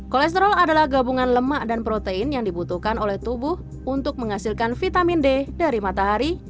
kolesterol adalah gabungan lemak dan protein yang dibutuhkan oleh tubuh untuk menghasilkan vitamin d dari matahari